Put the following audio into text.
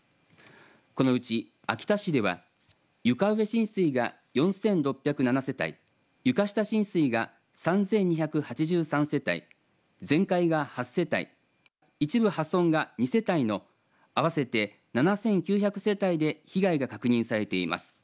このうち秋田市では床上浸水が４６０７世帯床下浸水が３２８３世帯全壊が８世帯一部破損が２世帯の合わせて７９００世帯で被害が確認されています。